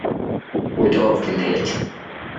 We'd all been hit.